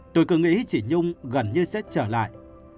tôi cứ nghĩ chỉ nhung gần như sẽ trở lại